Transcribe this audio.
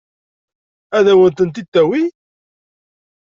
Ad wen-ten-id-tawi?